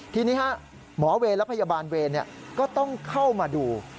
ทีนี้หมอเวรและพยาบาลเวรก็ต้องเข้ามาดู